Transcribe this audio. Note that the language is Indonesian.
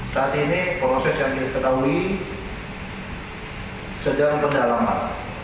saat ini proses yang kita ketahui sedang pendalaman